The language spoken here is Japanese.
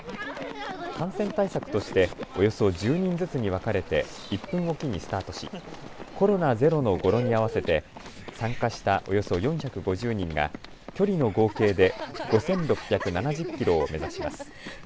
感染対策としておよそ１０人ずつに分かれて１分置きにスタートしコロナゼロの語呂に合わせて参加したおよそ４５０人が距離の合計で５６７０キロを目指します。